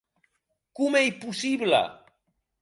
Com ei possible!